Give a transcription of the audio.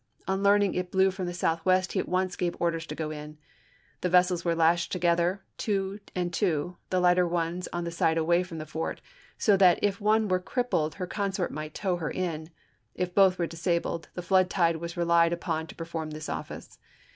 On learning it blew from the southwest he at once gave orders to go in. The vessels were lashed together two and two, the lighter ones on the side away from the fort, so that if one were crippled her consort might tow her in ; if both were disabled, the flood tide was relied upon to perform this office.